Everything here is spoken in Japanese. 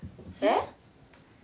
えっ？